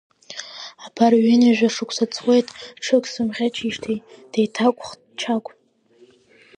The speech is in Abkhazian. Абар ҩынҩажәа шықәса ҵуеит ҽык сымӷьычижьҭеи, деиҭақәхт Чагә.